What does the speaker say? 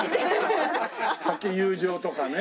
友情とかね。